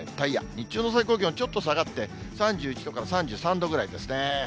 日中の最高気温ちょっと下がって、３１度から３３度ぐらいですね。